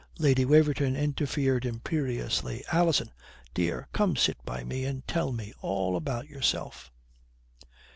Lady Waverton interfered imperiously. "Alison, dear, come sit by me and tell me all about yourself."